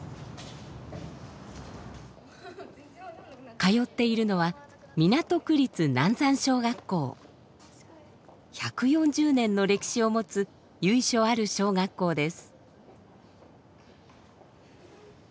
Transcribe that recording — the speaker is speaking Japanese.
通っているのは港区立１４０年の歴史を持つ由緒ある小学校です。